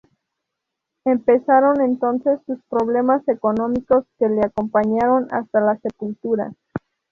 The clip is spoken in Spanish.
Empezaron entonces sus problemas económicos, que le acompañaron hasta la sepultura.